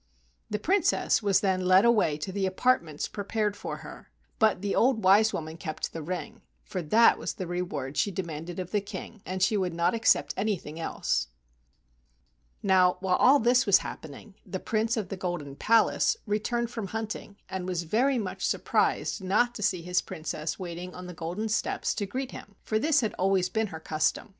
The Princess was then led away to the apart¬ ments prepared for her, but the old wise woman 52 AN EAST INDIAN STORY kept the ring, for that was the reward she demanded of the King, and she would not accept anything else. Now while all this was happening, the Prince of the Golden Palace returned from hunting, and was very much surprised not to see his Princess waiting on the golden steps to greet him, for this had always been her custom.